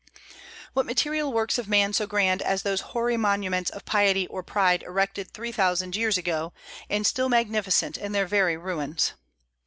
What material works of man so grand as those hoary monuments of piety or pride erected three thousand years ago, and still magnificent in their very ruins!